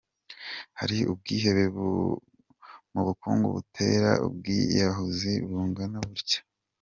Hari ubwihebe mu bukungu butera ubwiyahuzi bungana butya.